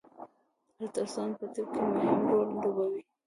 الټراساونډ په طب کی مهم رول لوبوي